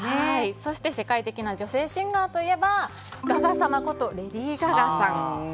そして世界的な女性シンガーといえばガガ様ことレディー・ガガさん。